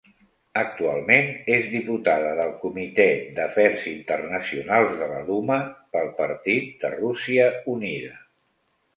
Actualment és diputada del Comitè d'Afers Internacionals de la Duma pel partit de Rússia Unida.